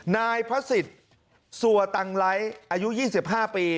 นายพระศิษย์สัวตังไร้อายุ๒๕ปี